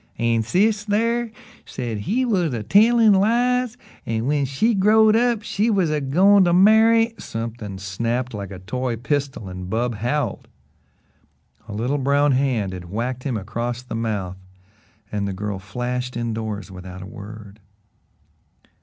"An' sis, thar, said he was a tellin' lies an' when she growed up she said she was a goin' to marry " Something snapped like a toy pistol and Bub howled. A little brown hand had whacked him across the mouth, and the girl flashed indoors without a word.